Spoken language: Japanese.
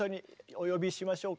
お呼びしましょうか。